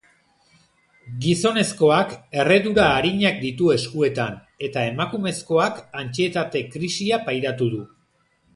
Gizonezkoak erredura arinak ditu eskuetan, eta emakumezkoak antsietate-krisia pairatu du.